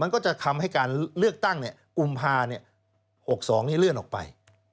ก็จะทำให้การเลือกตั้งกุมภา๖๒นี้เลื่อนออกไป